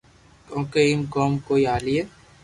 ڪونڪہ ايم ڪوم ڪوئي ھالئي